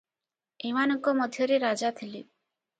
ଏମାନଙ୍କ ମଧ୍ୟରେ ରାଜା ଥିଲେ ।